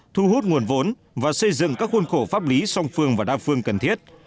thu hút nguồn vốn và xây dựng các khuôn khổ pháp lý song phương và đa phương cần thiết